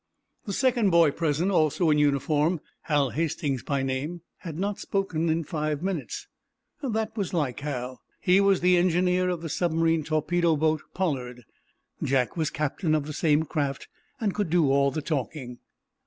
The second boy present, also in uniform, Hal Hastings by name, had not spoken in five minutes. That was like Hal. He was the engineer of the submarine torpedo boat, "Pollard." Jack was captain of the same craft, and could do all the talking.